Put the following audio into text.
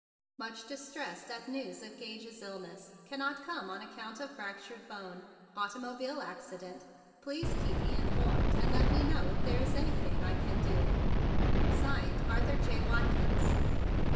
" Much distressed at news of Gage's illness. Can¬ not come on account of fractured bone, automobile accident. Please keep me informed, and let me know if there is anything I can do. "(Signed) "Arthur J. Watkins."